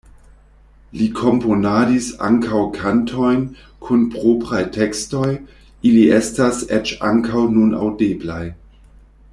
Li komponadis ankaŭ kantojn kun propraj tekstoj, ili estas eĉ ankaŭ nun aŭdeblaj.